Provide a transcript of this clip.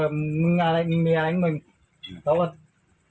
มึงมีอะไรมึง